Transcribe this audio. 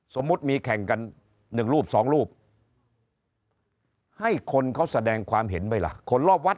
สมมุติมีแข่งกัน๑รูปสองรูปให้คนเขาแสดงความเห็นไหมล่ะคนรอบวัด